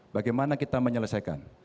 bagaimana kita menyelesaikan